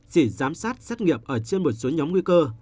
chỉ giám sát xét nghiệm ở trên một số nhóm nguy cơ